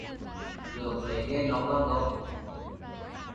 Nước lấy nghề nông làm gốc